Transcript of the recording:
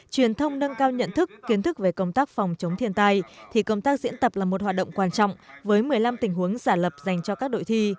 truyền thông nâng cao nhận thức kiến thức về công tác phòng chống thiên tai thì công tác diễn tập là một hoạt động quan trọng với một mươi năm tình huống giả lập dành cho các đội thi